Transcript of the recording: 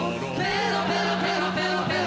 ペロペロペロペロ